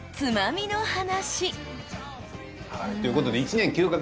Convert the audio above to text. ということで。